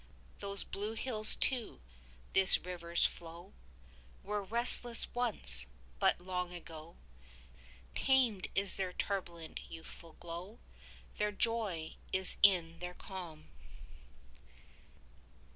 Those blue hills too, this river's flow, Were restless once, but long ago. Tamed is their turbulent youthful glow: Their joy is in their calm.